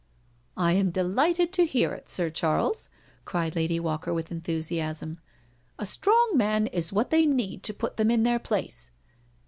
" I am delighted to hear it. Sir Charles," cried Lady Walker with enthusiasm. '* A strong man is what they need to put them in their place.